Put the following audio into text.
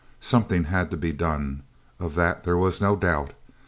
Something had to be done, of that there was no doubt.